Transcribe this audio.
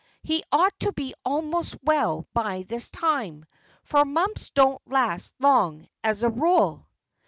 He ought to be almost well by this time; for mumps don't last long, as a rule."